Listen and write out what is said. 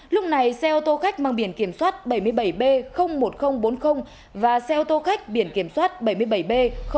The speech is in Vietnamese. lúc này xe ô tô khách mang biển kiểm soát bảy mươi bảy b một nghìn bốn mươi và xe ô tô khách biển kiểm soát bảy mươi bảy b chín trăm ba mươi tám